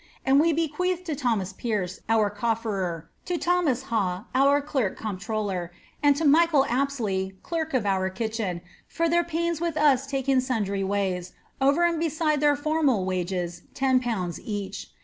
And we bequeath to Thomas Perce, our cotTerer, to Thomas Hawf^ our clerk comptruUer, and to Michael Apslcy, clerk of our kitchen, for their paiat with us taken sundry ways, over and beside their formal wages, Utl. each.